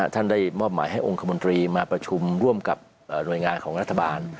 ท่านได้มอบหมายให้องค์คมนตรีมาประชุมร่วมกับหน่วยงานของรัฐบาล